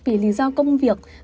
vì lý do công việc